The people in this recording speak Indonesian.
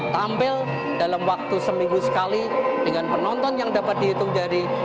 tampil dalam waktu seminggu sekali dengan penonton yang dapat dihitung dari